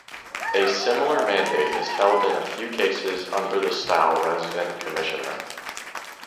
A similar mandate is held in a few cases under the style Resident commissioner.